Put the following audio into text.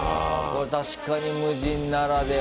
これ確かに無人ならではだ。